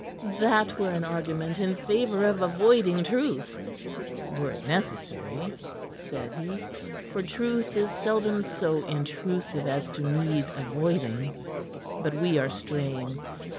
"That were an argument in favor of avoiding truth." "Were it necessary," said he. "For truth is seldom so intrusive as to need avoiding. But we are straying.